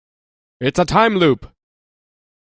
It's a time loop!